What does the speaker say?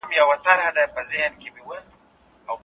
دا خبره باید په پښتو کي په رښتیني ډول ثبت سي.